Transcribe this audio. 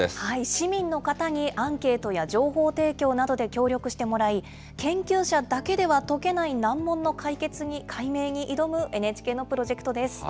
市民の方にアンケートや情報提供などで協力してもらい、研究者だけでは解けない難問の解決に、解明に挑むＮＨＫのプロジェクトです。